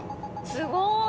すごーい！